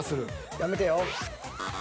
やめてよ。